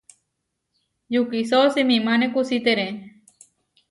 Yukisó simimáne kusítere.